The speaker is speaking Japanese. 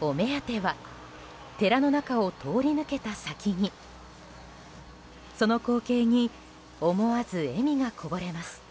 お目当ては寺の中を通り抜けた先にその光景に思わず笑みがこぼれます。